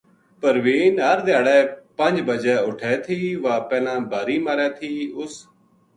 پروین ہر دھیاڑے پنج بَجے اُٹھے تھی واہ پہلاں بھاری مارے تھی اُس